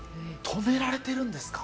止められているんですか。